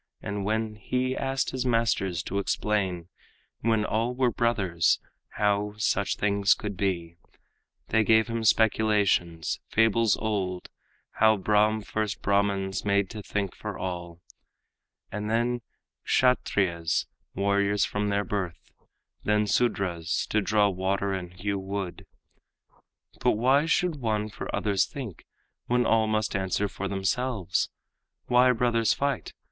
And when he asked his masters to explain, When all were brothers, how such things could be, They gave him speculations, fables old, How Brahm first Brahmans made to think for all, And then Kshatriyas, warriors from their birth, Then Sudras, to draw water and hew wood. "But why should one for others think, when all Must answer for themselves? Why brothers fight?